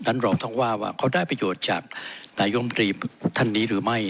เราต้องว่าว่าเขาได้ประโยชน์จากนายมตรีท่านนี้หรือไม่